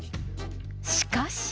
しかし。